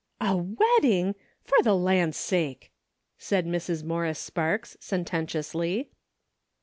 "A wedding! For the land sake!" said Mrs. Morris Sparks, sententiously.